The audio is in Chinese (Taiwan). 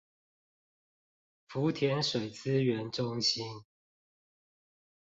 福田水資源中心